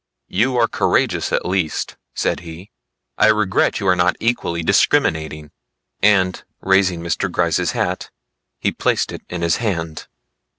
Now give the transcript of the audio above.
"You are courageous at least," said he. "I regret you are not equally discriminating." And raising Mr. Gryce's hat he placed it in his hand.